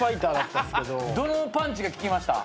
どのパンチが効きました？